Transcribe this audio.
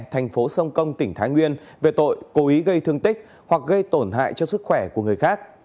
thành phố sông công tỉnh thái nguyên về tội cố ý gây thương tích hoặc gây tổn hại